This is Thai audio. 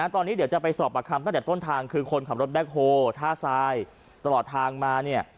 ตอนนี้เดี๋ยวจะไปสอบประคำตั้งแต่ต้นทางคือคนขับรถแบ็คโฮท่าทรายตลอดทางมาเนี่ย